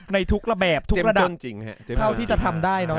ในทุกระแบบทุกระดับเท่าที่จะทำได้เนอะ